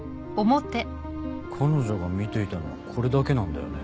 彼女が見ていたのはこれだけなんだよね？